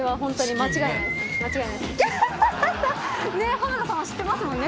浜田さんは知ってますもんね？